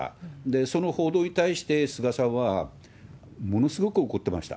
その報道に対して菅さんはものすごく怒ってました。